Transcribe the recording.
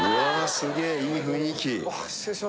すげえいい雰囲気